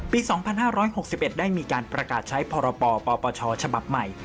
ปี๒๕๖๑ได้มีการประกาศใช้พรปปชฉบับใหม่